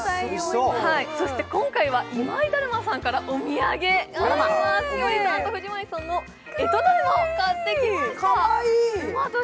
そして今回は今井だるまさんからお土産あります、栞里さんと藤森さんのえとだるまを買ってきました。